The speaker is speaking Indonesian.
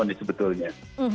optimisme nih sebetulnya